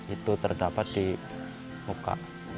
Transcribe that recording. itu terdapat di muka